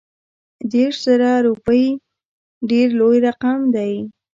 دېرش زره روپي ډېر لوی رقم دی.